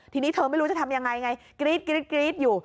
ทีนี้เธอไม่รู้จะทำยังไงไงกรี๊ดอยู่